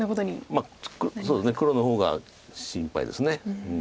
まあそうですね黒の方が心配です。